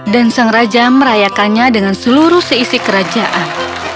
dan sang raja merayakannya dengan seluruh seisi kerajaan